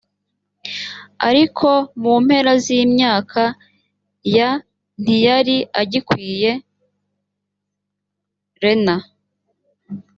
ariko mu mpera z imyaka ya ntiyari agikwiriye reiner